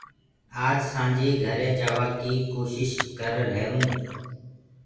آج سآنٚجي گھري جآوآ ڪيٚ ڪوشيٚش ڪر ريهرآئونٚ